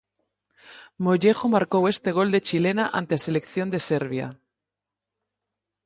Mollejo marcou este gol de chilena ante a selección de Serbia.